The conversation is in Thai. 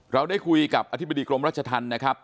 เราได้คุยกับอธิบดีกรมรัชธรรมนะครับ